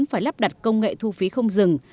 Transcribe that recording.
phải lắp đặt công nghệ thu phí không dừng